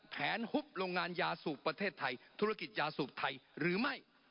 ฮุบโรงงานยาสูบประเทศไทยธุรกิจยาสูบไทยหรือไม่